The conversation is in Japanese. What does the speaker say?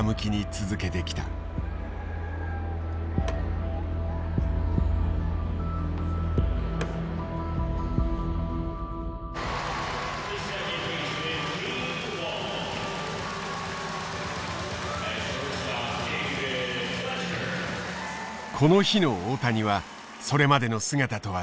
この日の大谷はそれまでの姿とは違っていた。